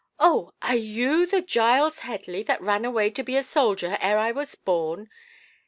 Oh! are you the Giles Headley that ran away to be a soldier ere I was born?